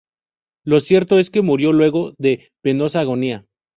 Lo cierto es que murió luego de penosa agonía.